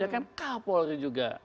ya kan k polri juga